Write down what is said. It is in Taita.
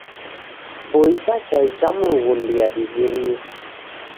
Boisa chai cha mrughundia divirie.